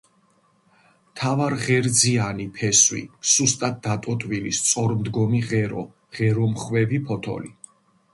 მთავარღერძიანი ფესვი, სუსტად დატოტვილი სწორმდგომი ღერო, ღერომხვევი ფოთოლი.